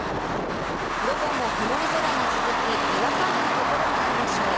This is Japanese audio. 午後も曇り空が続き、にわか雨の所があるでしょう。